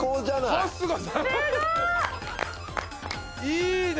いいね。